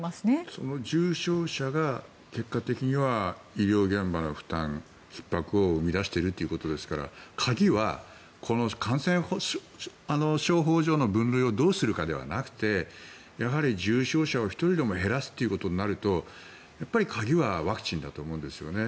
その重症者が結果的には医療現場の負担、ひっ迫を生み出しているということですから鍵は感染症法上の分類をどうするかではなくてやはり重症者を１人でも減らすということになると鍵はワクチンだと思うんですよね。